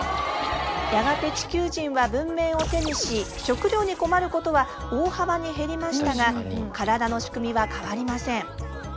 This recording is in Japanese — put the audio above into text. やがて地球人は文明を手にし食料に困ることは大幅に減りましたが体の仕組みは変わりません。